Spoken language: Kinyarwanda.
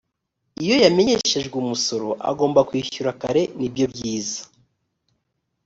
iyo yamenyesheje umusoro agomba kwishyura kare ni byo byiza